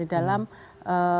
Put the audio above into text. di dalam struktur current count kita